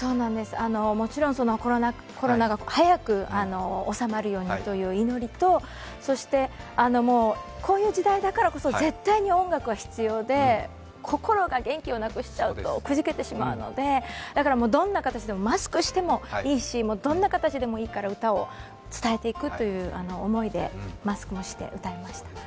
もちろんコロナが早く収まるようにという祈りとそして、こういう時代だからこそ絶対に音楽は必要で、心が元気をなくしちゃうとくじけてしまうので、どんな形でも、マスクしてもいいしどんな形でもいいので音楽を伝えていくという思いで、マスクもして歌いました。